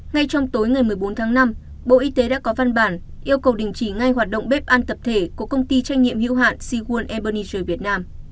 ngay trong tối ngày một mươi bốn tháng năm bộ y tế đã có văn bản yêu cầu đình chỉ ngay hoạt động bếp ăn tập thể của công ty trách nhiệm hữu hạn seagul airbone việt nam